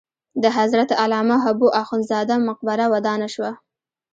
د حضرت علامه حبو اخند زاده مقبره ودانه شوه.